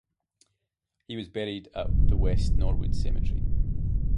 He was buried at the West Norwood Cemetery.